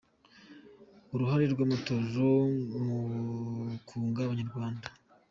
Uruhare rw’ Amatorero mu kunga Abanyarwanda.